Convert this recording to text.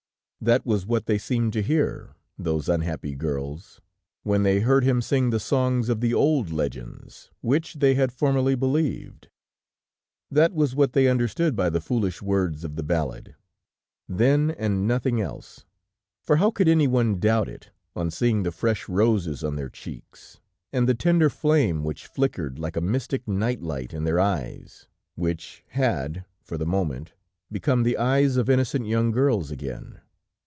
That was what they seemed to hear, those unhappy girls, when they heard him sing the songs of the old legends, which they had formerly believed. That was what they understood by the foolish words of the ballad. Then and nothing else, for how could any one doubt it, on seeing the fresh roses on their cheeks, and the tender flame which flickered like a mystic night light in their eyes, which had, for the moment, become the eyes of innocent young girls again?